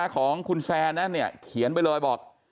ของคุณแซนเนี่ยเขียนไปเลยบอก